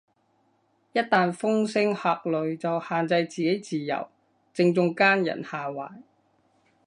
一但風聲鶴唳就限制自己自由，正中奸人下懷